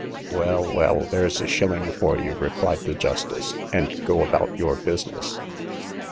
Well, well, there's a shilling for you, replied the justice, and go about your business.